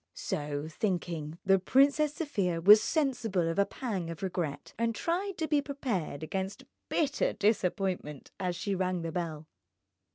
So thinking, the Princess Sofia was sensible of a pang of regret, and tried to be prepared against bitter disappointment as she rang the bell.